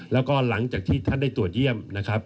แล้วก็หลังจากที่ท่านด้วยตรวจเยี่ยม